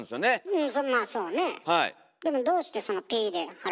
うん。